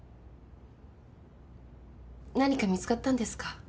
何か見つかったんですか？